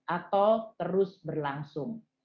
atau terus berlangsung